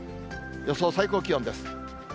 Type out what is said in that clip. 予想最高気温です。